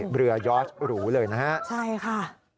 เบลือยอดหรูเลยนะครับใช่ค่ะ